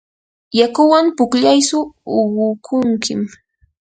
yakuwan pukllaytsu uqukunkim.